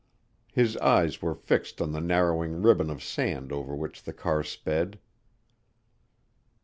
His eyes were fixed on the narrowing ribbon of sand over which the car sped.